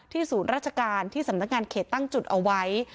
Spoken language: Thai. ศูนย์ราชการที่สำนักงานเขตตั้งจุดเอาไว้